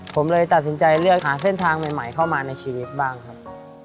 ผมเลยตัดสินใจเลือกหาเส้นทางใหม่เข้ามาในชีวิตบ้างครับ